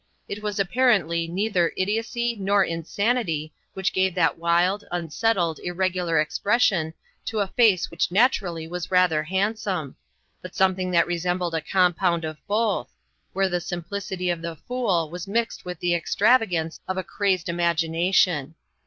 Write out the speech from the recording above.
It was apparently neither idiocy nor insanity which gave that wild, unsettled, irregular expression to a face which naturally was rather handsome, but something that resembled a compound of both, where the simplicity of the fool was mixed with the extravagance of a crazed imagination.